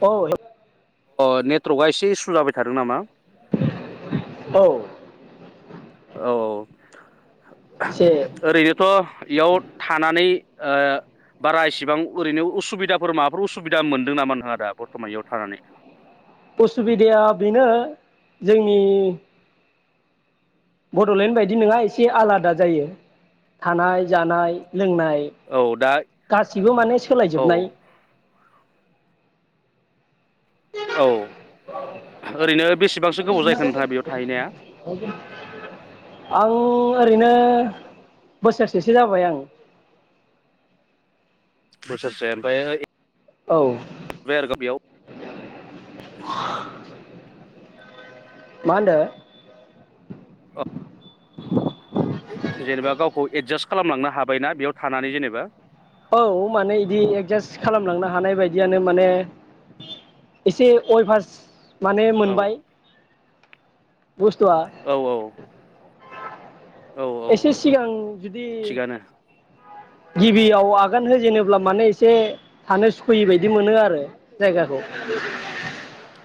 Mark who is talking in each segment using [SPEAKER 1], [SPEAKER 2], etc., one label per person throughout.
[SPEAKER 1] औ
[SPEAKER 2] अ नेटवर्कआ एसे इसु जाबाय थादों नामा
[SPEAKER 1] औ
[SPEAKER 2] औ औ
[SPEAKER 1] एसे
[SPEAKER 2] ओरैनोथ' इयाव थानानै ओ बारा इसेबां ओरैनो उसुबिदाफोर माबाफोर उसुबिदा मोनदों नामा नोंथाङा दा बरथमान इयाव थानानै
[SPEAKER 1] उसुबिदाया बेनो जोंनि बड'लेण्ड बायदि नङा एसे आलादा जायो थानाय जानाय लोंनाय
[SPEAKER 2] औ दा
[SPEAKER 1] गासिबो माने
[SPEAKER 2] औ
[SPEAKER 1] सोलायजोबनाय
[SPEAKER 2] औ ओरैनो बेसेबांसो गोबाव जाखो नोंथाङा बेयाव थाहैनाया
[SPEAKER 1] आं ओरैनो बोसोरसेसो जाबाय आं
[SPEAKER 2] बोसोरसे ओमफ्राय
[SPEAKER 1] औ
[SPEAKER 2] [unintelligible]
[SPEAKER 1] [inaudible] मा होनदो
[SPEAKER 2] जेनेबा गावखौ एडजास्ट खालामलांनो हाबायना बेयाव थानानै जेनेबा
[SPEAKER 1] औ माने इदि एडजास्ट खालामलांनो हानाय बायदियानो माने एसे अयभास माने
[SPEAKER 2] औ
[SPEAKER 1] मोनबाय बुस्थुआ
[SPEAKER 2] औ औ औ औ
[SPEAKER 1] एसे सिगां जुदि
[SPEAKER 2] थिगानो
[SPEAKER 1] गिबियाव आगान होजेनोब्ला माने एसे थानो सुखुयै बायदि मोनो आरो जायगाखौ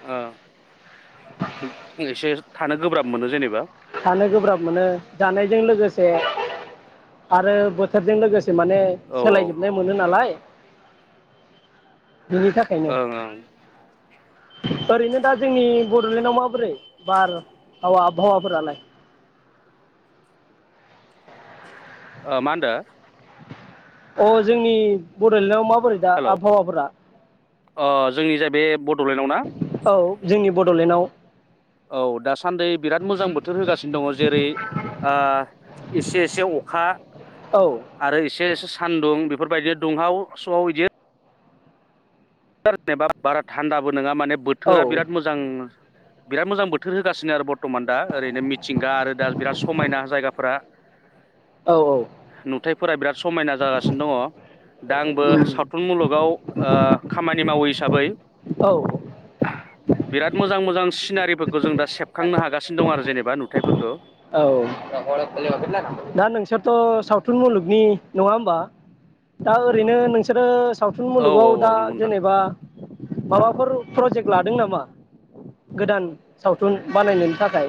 [SPEAKER 2] आ [unintelligible] थानो गोब्राब मोनो जेनेबा।
[SPEAKER 1] थानो गोब्राब मोनो जानायजों लोगोसे आरो बोथोरजों लोगोसे माने
[SPEAKER 2] औ ओं
[SPEAKER 1] सोलायजोबनाय मोनो नालाय। बिनि थाखायनो
[SPEAKER 2] ओं
[SPEAKER 1] ओरैनो दा जोंनि बड'लेण्डआव माबोरै बार हावा आबहावाफोरलाय
[SPEAKER 2] ओ मा होनदो
[SPEAKER 1] अ जोंनि बड'लेण्डआव मा बोरै दा आबहावाफोरा?
[SPEAKER 2] अ जोंनि जाय बे बड'लेण्डआव ना?
[SPEAKER 1] औ जोंनि बड'लेण्डआव
[SPEAKER 2] औ दासान्दि बिराद आ एसे एसे अखा
[SPEAKER 1] औ
[SPEAKER 2] आरो एसे एसे सान्दुं बेफोरबायदि दुंहाव स'आव इदि जेनेबा बारा थान्दाबो नोङा माने
[SPEAKER 1] औ
[SPEAKER 2] बोथोरा बिराद मोजां बिराद मोजां बोथोर होगासिनो आरो बर्थ'मान दा ओरैनो मिथिंगा आरो दा बिराद समायना जायगाफोरा
[SPEAKER 1] औ
[SPEAKER 2] नुथाइफोरा बिराद समायना जागासिनो दङ दा आंबो
[SPEAKER 1] उम
[SPEAKER 2] सावथुन मुलुगाव ओ खामानि मावै हिसाबै
[SPEAKER 1] औ
[SPEAKER 2] बिराद मोजां मोजां सिनारि नुथायफोरखौ
[SPEAKER 1] औ दा नोंसोरथ' सावथुन मुलुगनि नङा होमबा दा ओरैनो नोंसोरो सावथुन
[SPEAKER 2] औ औ
[SPEAKER 1] मुलुगाव दा
[SPEAKER 2] औ नंगौ नोंथां
[SPEAKER 1] जेनेबा माबाफोर प्रजेक्ट लादों नामा गोदान सावथुन? थुन बानायनायनि थाखाय?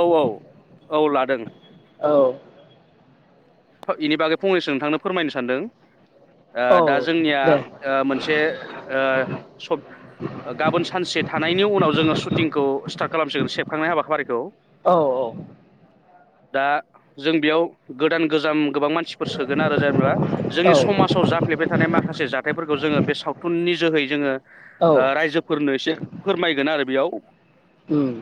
[SPEAKER 2] औ औ औ लादों।
[SPEAKER 1] औ
[SPEAKER 2] इनि बागै फंनैसो नोंथांनो फोरमायनो सानदों। आ
[SPEAKER 1] औ
[SPEAKER 2] दा जोंनिया
[SPEAKER 1] दे
[SPEAKER 2] ओ मोनसे सब गाबोन सानसे थानायनि उनाव जोङो सुटिंखौ स्टार्ट खालामसिगोन सेबखांनाय हाबाफारिखौ
[SPEAKER 1] औ औ
[SPEAKER 2] दा जों बेयाव गोद गोदान गोजाम गोबां मानसिफोर सोगोन आरो जेनेबा
[SPEAKER 1] औ
[SPEAKER 2] जोंनि समाजाव जाफ्लेबाय थानाय माखासे जाथायफोरखौ जोङो बे सावथुननि जोहै जोङो
[SPEAKER 1] औ
[SPEAKER 2] ओ रायजोफोरनो एसे फोरमायगोन आरो बेयाव
[SPEAKER 1] उम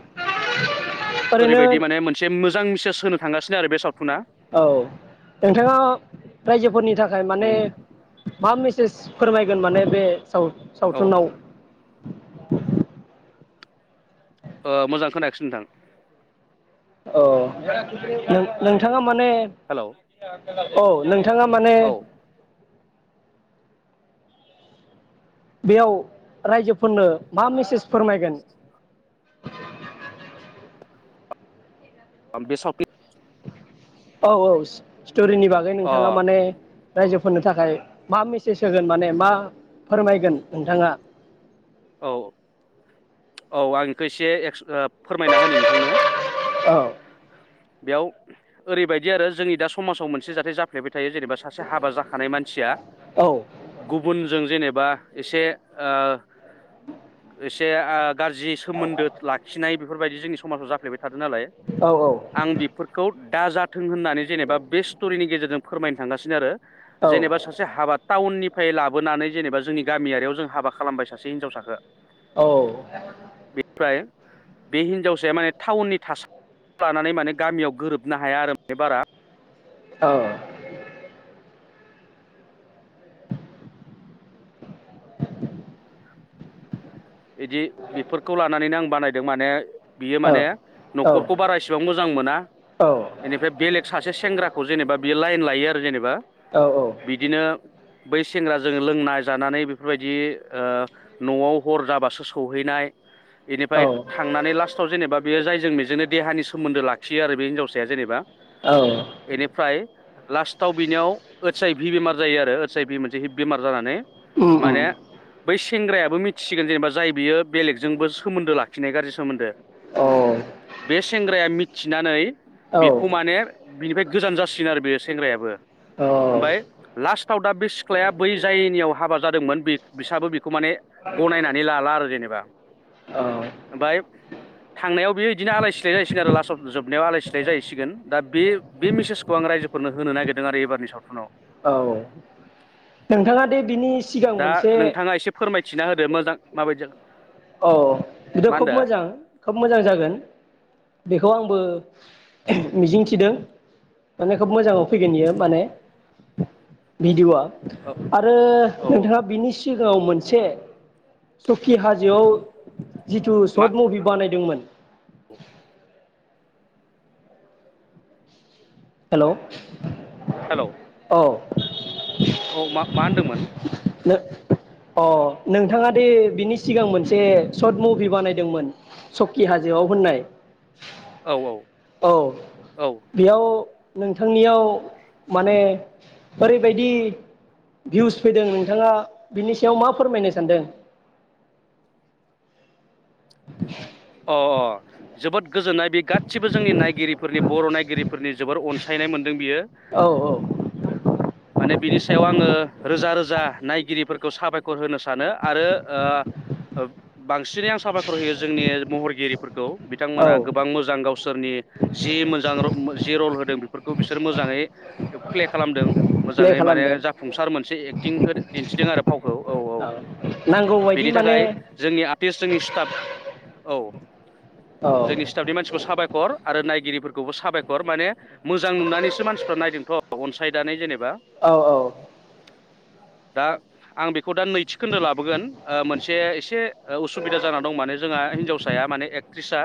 [SPEAKER 1] ओरैनो
[SPEAKER 2] ओरैबायदि माने मोनसे मोजां मेसज होनो थांगासिनो आरो बे सावथुना
[SPEAKER 1] औ नोंथाङा रायजोफोरनि थाखाय माने
[SPEAKER 2] उम
[SPEAKER 1] मा मेसेज फोरमायगोन माने बे साव
[SPEAKER 2] औ
[SPEAKER 1] सावथुनाव
[SPEAKER 2] ओ मोजां खोनायाखासै नोंथां
[SPEAKER 1] ओ नोंथाङा माने
[SPEAKER 2] हेल'
[SPEAKER 1] औ नों बिथाङा माने
[SPEAKER 2] औ
[SPEAKER 1] बेयाव रायजोफोरनो मा मेसेज फोरमायगोन
[SPEAKER 2] बे सफि
[SPEAKER 1] औ औ स्टरिनि बागै
[SPEAKER 2] अ
[SPEAKER 1] नोंथाङा माने रायजोफोरनो थाखाय मा मेसेज होगोन माने मा फोरमायगोन नोंथाङा
[SPEAKER 2] औ औ आं बेखौ एसे फोरमायना होनि नोंथांनो
[SPEAKER 1] औ
[SPEAKER 2] बेयाव ओरैबायदि आरो जोंनि दा समाजाव मोनसे जाथाय जाफ्लेबाय थायो जेनेबा सासे हाबा जाखानाय मानसिया गुबुनजों जेनेबा बा एसे एसे गाज्रि सोमोन्दो लाखिनाय बेफोरबायदि जोंनि समाजाव जाफ्लेबाय थादो नालाय फोरखौ दाजाथों होननानै जेनेबा बे स्टरिनि गेजेरजों फोरमायनो थांगासिनो आरो जेनेबा सासे हाबा टाउननिफ्राय लाबोनानै जेनेबा जोंनि गामियारियाव जों हाबा खालामबाय सासे हिनजावसाखौ
[SPEAKER 1] औ
[SPEAKER 2] ओमफ्राय बे हिनजावसाया माने टाउननि थासा थानानै माने गामियाव गोरोबनो हाया आरो बारा
[SPEAKER 1] औ
[SPEAKER 2] बिदि बेफोरखौ लानानैनो आं बानायदों माने बियो माने नखरखौ बारा इसेबां मोजां मोना बेनिफ्राय बेलेग सासे सेंग्राखौ जेनेबा बियो लाइन लायो आरो जेनेबा
[SPEAKER 1] औ
[SPEAKER 2] बिदिनो बै सेंग्राजों लोंना जानानै बेफोरबायदि ओ नआव हर जाबासो सौहैनाय
[SPEAKER 1] औ
[SPEAKER 2] बेनिफ्राय
[SPEAKER 1] औ
[SPEAKER 2] थांनानै लास्टआव जेनेबा बेयो जायजों बेजोंनो देहानि सोमोन्दो लाखियो आरो बे हिन्जावसाया जेनेबा
[SPEAKER 1] औ
[SPEAKER 2] बेनिफ्राय लास्टआव बिनियाव ओत्स आइ भि बेमार जायो आरो ओत्स आइ भि मोनसे हिब बेमार जानानै
[SPEAKER 1] उम उम
[SPEAKER 2] माने बै सेंग्रायाबो मि थिसिगोन जेनेबा जाय बियो बेलेगजोंबो सोमोन्दो लाखिनाय गाज्रि सोमोन्दो
[SPEAKER 1] औ
[SPEAKER 2] बे सेंग्राया मिथिनानै
[SPEAKER 1] औ
[SPEAKER 2] बेखौ माने बिनिफ्राय गोजान जासिगोन आरो बे सेंग्रायाबो
[SPEAKER 1] औ
[SPEAKER 2] ओमफ्राय लास्टआव दा बे सिख्लाया बै जायनियाव हाबा जादोंमोन बे बिसाबो बेखौ माने गनायनानै लाला आरो जेनेबा ओमफ्राय थांनायाव बेबादिनो आलाय सिलाय जाहैसिगोन आरो लासाव जोबनायाव आलाय सिलाय जाहैसिगोन दा बे बे मेसेजखौ आं रायजोफोरनो होनो नागिरदों आरो एबारनि सावथुनाव
[SPEAKER 1] औ नोंथाङा दे बिनि सिगां
[SPEAKER 2] दा
[SPEAKER 1] मोनसे
[SPEAKER 2] नोंथाङा एसे फोरमाय थिना होदो मोजां माबायदिया
[SPEAKER 1] औ बेथ' खोब मोजां खोब मोजां जागोन बे बेखौ आंबो मिजिंथिदों माने खोब मोजाङाव फैगोन बियो माने भिडिअआ
[SPEAKER 2] औ
[SPEAKER 1] आरो
[SPEAKER 2] औ औ
[SPEAKER 1] नोंथाङा बिनि सिगाङाव मोनसे सकि हा जोआव जिथु
[SPEAKER 2] मा
[SPEAKER 1] शर्ट मुभि बानायदोंमोन हेलौ
[SPEAKER 2] हेलौ
[SPEAKER 1] औ
[SPEAKER 2] औ मा मा होनदोंमोन
[SPEAKER 1] अ नोंथाङा दे बिनि सिगां मोनसे शर्ट मुभि बानायदोंमोन सकि हाजोआव होननाय
[SPEAKER 2] औ औ
[SPEAKER 1] औ
[SPEAKER 2] औ
[SPEAKER 1] बेयाव नोंथांनियाव माने ओरैबायदि भिउस फैदों नोंथाङा बिनि सायाव मा फोरमायनो सानदों [inaudible]
[SPEAKER 2] अ अ जोबोद गोजोननाय बे गासिबो जोंनि नाय गिरिफोरनि बर' नायगिरिफोरनि जोबोर अनसायनाय मोनदों बियो
[SPEAKER 1] औ
[SPEAKER 2] माने बिनि सायाव आङो रोजा रोजा नायगिरिफोरखौ साबायखर होनो सानो आरो ओ बांसिनै आं साबायखर होयो जोंनि महरगिरिफोर खौ
[SPEAKER 1] औ
[SPEAKER 2] बिथांमोना गोबां मोजां गावसोरनि जि मोजां जि रल होदों फोरखौ बिसोर मोजाङै प्ले खालामदों
[SPEAKER 1] प्ले
[SPEAKER 2] मोजाङै माने
[SPEAKER 1] खालामदों
[SPEAKER 2] जाफुंसार मोनसे एक्टिं दिन्थिदों आरो फावखौ औ औ
[SPEAKER 1] नांगौबायदि
[SPEAKER 2] बेनि
[SPEAKER 1] माने
[SPEAKER 2] थाखाय जोंनि आर्टिस्ट जोंनि स्टाफ औ
[SPEAKER 1] औ
[SPEAKER 2] जोंनि स्टाफनि मानसिखौ साबायखर आरो नायगिरिफोरखौबो साबायखर माने मोजां नुनानैसो मानसिफ्रा नायदोंथ' अनसाय दानाय जेने
[SPEAKER 1] औ औ
[SPEAKER 2] दा आं बेखौ दा नैथिखोन्दो लाबोगोन ओ मोनसे एसे ओ उसुबिदा जानानै दं मान जोंहा हिनजाव फिसाया माने एकट्रिसा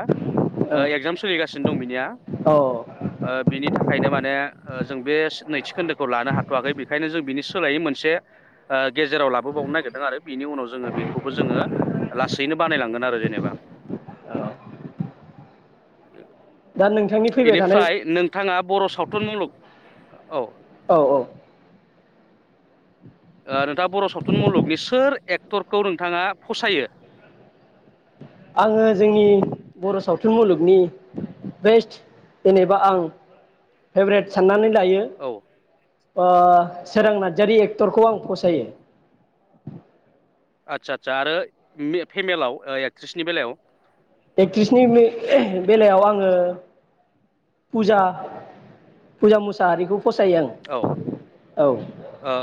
[SPEAKER 1] औ
[SPEAKER 2] एगजाम सोलिगासिनो दं बिनिया
[SPEAKER 1] औ
[SPEAKER 2] ओ बिनि थाखायनो माने जों बे नैथिखोन्दोखौ लानो हाथ'वाखै बेखायनो जों बिनि सोलायै मोनसे ओ गेजेराव लाबोबावनो नागिरदों आरो बिनि उनाव जोङो बेखौबो जोङो लासैनो बानायलांगोन आरो जेनेबा [unintelligible]
[SPEAKER 1] दा नोंथांनि फैबाय थानाय
[SPEAKER 2] बेनिफ्राय नोंथाङा बर' सावथुन मुलुग औ
[SPEAKER 1] औ औ
[SPEAKER 2] ओ नोंथाङा बर' सावथुन मुलुगनि सोर एक्टरखौ नोंथाङा फसायो
[SPEAKER 1] आङो जोंनि बर' सावथुन मुलुगनि बेस्ट जेनेबा आं फेभरेट साननानै दायो
[SPEAKER 2] औ
[SPEAKER 1] आ
[SPEAKER 2] औ
[SPEAKER 1] सोरां नारजारि ए क्टरखौ आं फसायो
[SPEAKER 2] आदसा आदसा आरो फेमेलाव ओ एक्ट्रिसनि बेलायाव
[SPEAKER 1] एक्ट्रिसनि बेलायाव आङो फुजा फुजा मुसाहारिखौ फसायो आं
[SPEAKER 2] औ
[SPEAKER 1] औ
[SPEAKER 2] ओ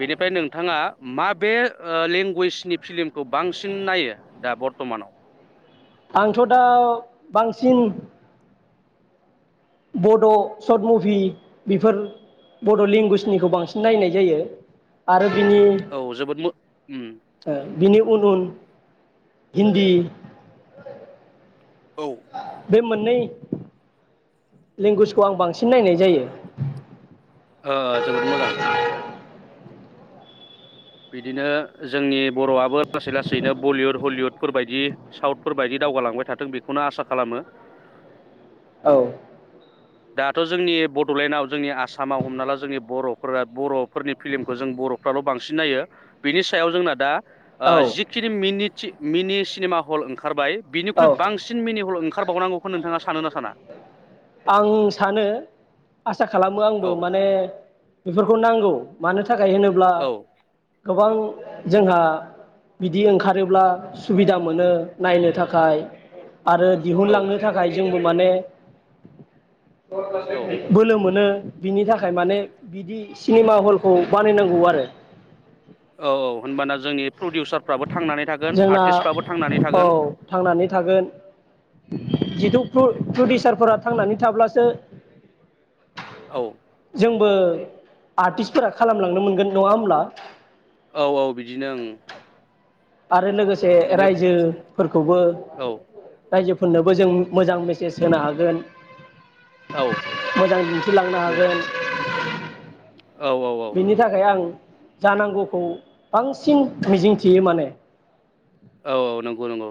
[SPEAKER 2] बेनिफ्राय नोंथाङा मााबे ओ‌ लेंगुवेजनि फिल्मखौ बांसिन नायो दा बरथमान
[SPEAKER 1] आंथ' दा बांसिन बड' शर्ट मुभि बेफोर बड' लेंगुवेजनिखौ बांसिन नायनाय जायो आरो बिनि
[SPEAKER 2] औ जोबोद मो उम
[SPEAKER 1] ओ बिनि उन उन हिन्दी
[SPEAKER 2] औ
[SPEAKER 1] बे मोननै लेंगुवेजखौ आं बांसिन नायनाय जायो
[SPEAKER 2] ओ जोबोद मोजां बिदिनो जोंनि बर'आबो लासै लासैनो बलिउड हलिउदफोरबायायदि साउथफोर बायदि दावगालांबाय थाथों बेखौनो आसा खालामो
[SPEAKER 1] औ
[SPEAKER 2] दाथ' जोंनि बड'लेण्डआव जोंनि आसामाव हमना ला जोंनि बर'फोरा बर'फोरनि फिल्मखौ जों बर'फ्राल' बांसिन नायो बिनि सायाव जोंना दा ओ
[SPEAKER 1] औ
[SPEAKER 2] जिखिनि मिनिट मिनि सिनेमा हल ओंखारबाय बिनिख्रुइ
[SPEAKER 1] औ
[SPEAKER 2] बांसिन मिनि हल ओं खारबावनांगौखौ नोंथाङा सानो ना साना
[SPEAKER 1] आं सानो आसा खालामो आंबो
[SPEAKER 2] औ
[SPEAKER 1] माने बेफोर खौ नांगौ मानो थाखाय होनोब्ला
[SPEAKER 2] औ
[SPEAKER 1] गोबां जोंहा बिदि ओंखारोब्ला सुबिदा मोनो नायनो थाखाय आरो
[SPEAKER 2] औ
[SPEAKER 1] दिहुनलांनो थाखाय जों माने
[SPEAKER 2] औ
[SPEAKER 1] बोलो मोनो बिनि थाखाय माने बिदि सिनेमा हलखौ बानायनांगौ आरो
[SPEAKER 2] औ औ होनबाना जोंनि प्रडिउसारफ्राबो थांनानै थागोन
[SPEAKER 1] जोंना
[SPEAKER 2] आर्टिस्टफ्राबो थांनानै
[SPEAKER 1] औ
[SPEAKER 2] थागोन
[SPEAKER 1] थांनानै थागोन जिथु प्रडिउसारफोरा थांनानै थाब्लासो
[SPEAKER 2] औ
[SPEAKER 1] बो आर्टिस्टफोरा खालामलांनो मोनगोन नङा होमब्ला?
[SPEAKER 2] औ औ बिदिनो ओं
[SPEAKER 1] आरो लोगोसे
[SPEAKER 2] बेनो
[SPEAKER 1] रायजोफोरखौबो रायजोफोरनोबो जों मोजां मेसेज होनो हागोन।
[SPEAKER 2] औ
[SPEAKER 1] मोजां दिनथिलांनो
[SPEAKER 2] नों
[SPEAKER 1] हागोन।
[SPEAKER 2] औ औ औ
[SPEAKER 1] बिनि थाखाय आं जानांगौखौ बांसिन मिजिंथियो माने
[SPEAKER 2] औ औ नंगौ नंगौ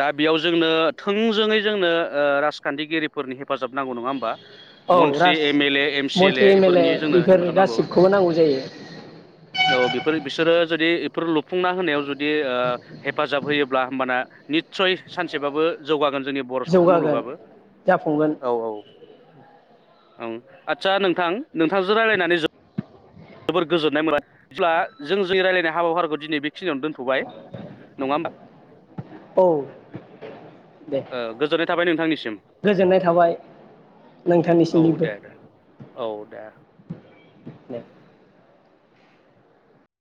[SPEAKER 2] दा बेयाव जोंनो थोंजोङै जोंनो ओ राजखानथिगिरिफोरनि हेफाजाब नांगौ नङा होमबा
[SPEAKER 1] औ
[SPEAKER 2] मन्त्रि
[SPEAKER 1] राज
[SPEAKER 2] M L M C L A
[SPEAKER 1] मन्त्रि एम
[SPEAKER 2] बेफोरनि जोंनो
[SPEAKER 1] बेफोर
[SPEAKER 2] हेफाजाब नांगौ
[SPEAKER 1] गासिबखौबो नांगौ जायो
[SPEAKER 2] औ बेफोर बिसोरो जुदि बेफोर लुफुंना होनायाव जुदि ओ हेफाजाब होयोब्ला होमबाना निसय सानसेबाबो जौगागोन जोंनि बर' सावथुन
[SPEAKER 1] जौगागोन
[SPEAKER 2] मुलुगाबो
[SPEAKER 1] जाफुंगोन
[SPEAKER 2] औ औ ओं आदसा नोंथां नोंथांजों रायज्लायनानै जोबोद जोबोर गोजोननाय मोनबाय जेब्ला जों जोंनि रायज्लायनाय हाबाफारिखौ दिनै बेखिनियावनो दोनथ'बाय। नङा होमबा?
[SPEAKER 1] औ दे
[SPEAKER 2] ओ गोजोननाय थाबाय नोंथांनिसिम
[SPEAKER 1] गोजोननाय थाबाय
[SPEAKER 2] औ
[SPEAKER 1] नोंथांनिसिमनिबो।
[SPEAKER 2] दे दे औ दे
[SPEAKER 1] दे